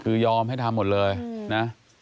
คือยอมให้ทำหมดเลยนะ